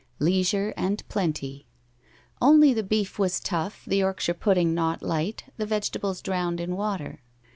Leisure and plenty. Only the beef was tough, the York shire pudding not light, the vegetables drowned in water.